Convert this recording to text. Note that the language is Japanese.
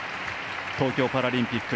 東京パラリンピック。